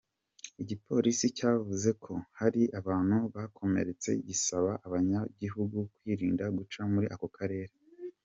Igipolisi cavuze ko hari abantu bakomeretse, gisaba abanyagihugu kwirinda guca muri ako karere.